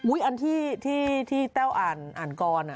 อุ้ยที่แแต้ร์อ่านกรณ์